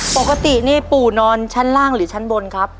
ปกตินี่ปู่นอนชั้นล่างหรือชั้นบนครับ